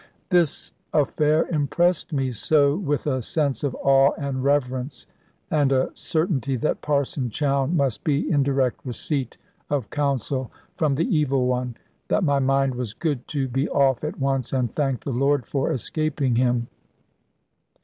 This affair impressed me so with a sense of awe and reverence, and a certainty that Parson Chowne must be in direct receipt of counsel from the evil one, that my mind was good to be off at once, and thank the Lord for escaping him.